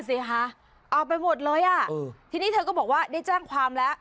สิคะเอาไปหมดเลยอ่ะทีนี้เธอก็บอกว่าได้แจ้งความแล้ว